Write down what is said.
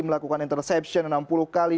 melakukan interception enam puluh kali